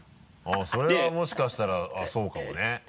それはもしかしたらそうかもね。